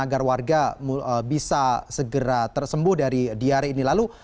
agar warga bisa segera tersembuh dari diare ini lalu